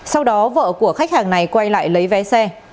sau đó vợ của khách hàng này quay lại lấy vé xe